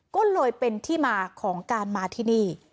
ก็เลยเป็นที่มาของการมาที่นี่